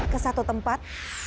ke satu tempat